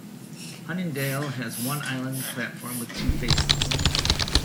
Huntingdale has one island platform with two faces.